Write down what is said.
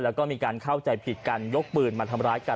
แล้วก็มีการเข้าใจผิดกันยกปืนมาทำร้ายกัน